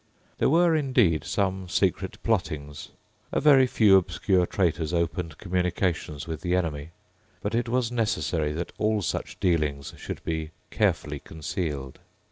There were, indeed, some secret plottings. A very few obscure traitors opened communications with the enemy. But it was necessary that all such dealings should be carefully concealed.